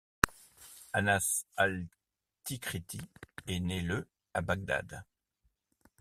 Anas Al Tikriti est né le à Bagdad.